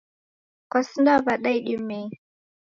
Kwasinda w'ada idimei?